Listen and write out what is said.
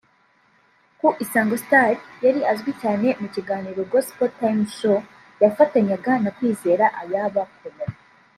Ku Isango Star yari azwi cyane mu kiganiro Gospel Time Show yafatanyaga na Kwizera Ayabba Paulin